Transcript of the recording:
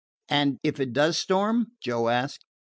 "And if it does storm?" Joe asked.